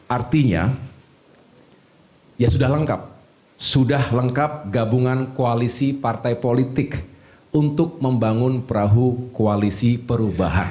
artinya ya sudah lengkap sudah lengkap gabungan koalisi partai politik untuk membangun perahu koalisi perubahan